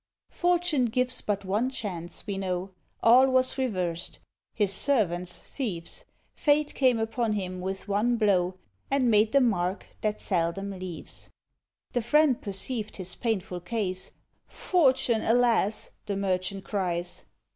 Fortune gives but one chance, we know: All was reversed, his servants thieves. Fate came upon him with one blow, And made the mark that seldom leaves. The Friend perceived his painful case. "Fortune, alas!" the merchant cries.